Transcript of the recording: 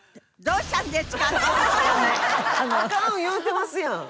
アカン言うてますやん。